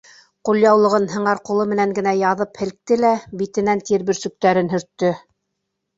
Ҡулъяулығын һыңар ҡулы менән генә яҙып һелкте лә битенән тир бөрсөктәрен һөрттө.